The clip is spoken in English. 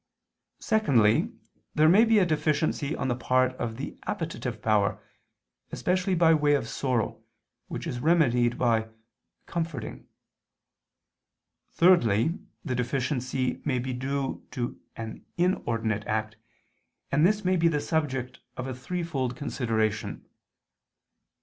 _ Secondly, there may be a deficiency on the part of the appetitive power, especially by way of sorrow, which is remedied by comforting. Thirdly, the deficiency may be due to an inordinate act; and this may be the subject of a threefold consideration.